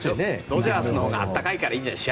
ドジャースのほうが暖かいからいいんじゃない。